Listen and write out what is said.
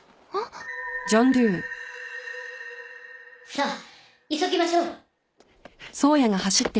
さあ急ぎましょう。